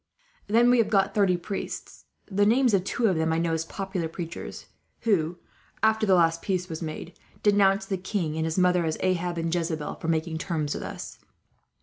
"Then we have got thirty priests. The names of two of them I know as popular preachers who, after the last peace was made, denounced the king and his mother as Ahab and Jezebel, for making terms with us.